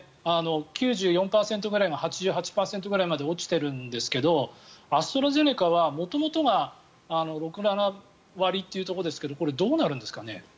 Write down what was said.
９４％ぐらいが８８％ぐらいまで落ちているんですけどアストラゼネカは元々が６７割というところですがこれ、どうなるんですかね？